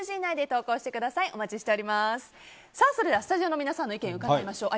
それではスタジオの皆さんの意見伺いましょう。